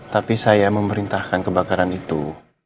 tapi saya memerintahkan kebakaran itu